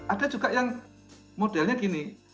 ada juga yang modelnya gini